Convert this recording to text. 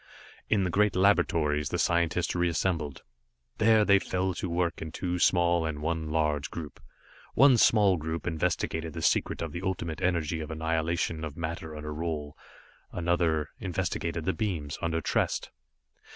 In the great Laboratories, the scientists reassembled. There, they fell to work in two small, and one large group. One small group investigated the secret of the Ultimate Energy of annihilation of matter under Roal, another investigated the beams, under Trest.